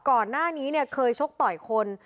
ก่อนหน้านี้เนี่ยเคยชกต่อยคน